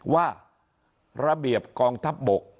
ว่าระเบียบกองทัพบก